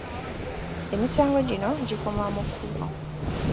Emisango gino gikoma mu kkubo.